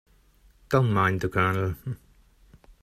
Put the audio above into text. Don't mind the Colonel.